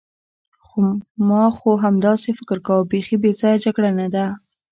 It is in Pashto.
ما خو همداسې فکر کاوه، بیخي بې ځایه جګړه نه ده.